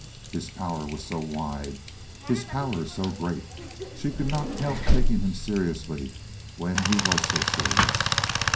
His power was so wide, his power so great. She could not help taking him seriously when he was so serious.)